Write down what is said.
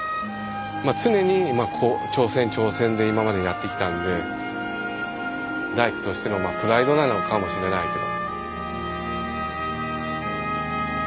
まあ常に挑戦挑戦で今までやってきたんで大工としてのまあプライドなのかもしれないけど。